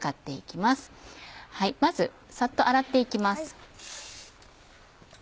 まずさっと洗って行きます。